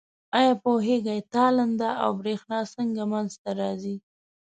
آیا پوهیږئ تالنده او برېښنا څنګه منځ ته راځي؟